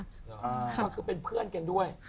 ก็คือเป็นเพื่อนกันด้วย